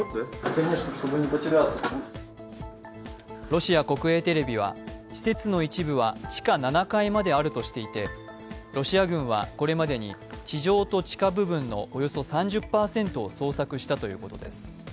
ロシア国営テレビは施設の一部は地下７階まであるとしていて、ロシア軍は、これまでに地上と地下部分のおよそ３０％を捜索したということです。